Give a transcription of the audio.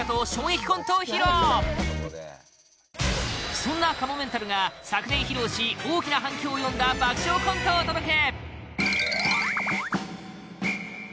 そんなかもめんたるが昨年披露し大きな反響を呼んだ爆笑コントをお届け